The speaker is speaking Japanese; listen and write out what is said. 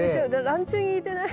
ランチュウに似てない？